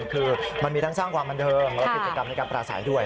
คือมันมีทั้งสร้างความบันเทิงและกิจกรรมในการปราศัยด้วย